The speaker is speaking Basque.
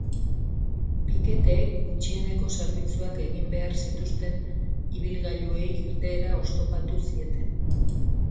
Piketeek gutxieneko zerbitzuak egin behar zituzten ibilgailuei irteera oztopatu zieten.